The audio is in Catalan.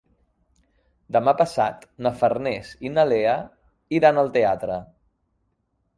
Demà passat na Farners i na Lea iran al teatre.